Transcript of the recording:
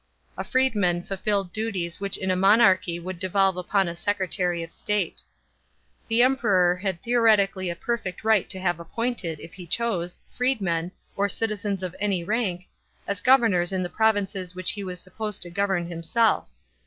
A freed man fulfilled duties which in a monarchy would devolve upon a secretary of state. The Emperor had theoretically a perfect right to have appointed, if he chose, freedmen, or citizens of any rank, as governors in the provinces which he was supposed to govern him self.